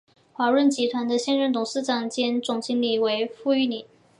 华润集团的现任董事长兼总经理为傅育宁。